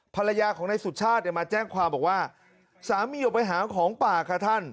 ภรรยาของนายสุชาติเนี่ยมาแจ้งความบอกว่าสามีออกไปหาของป่าค่ะท่าน